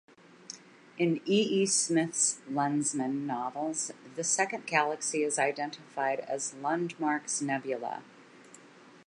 In E. E. Smith's "Lensman" novels, the "Second Galaxy" is identified as "Lundmark's Nebula".